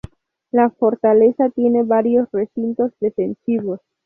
La fortaleza tiene varios recintos defensivos.